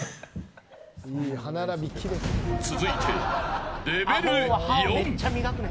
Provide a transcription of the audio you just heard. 続いてレベル４。